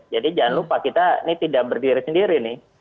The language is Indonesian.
jadi jangan lupa kita ini tidak berdiri sendiri nih